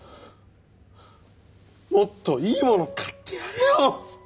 もっといい物買ってやれよ！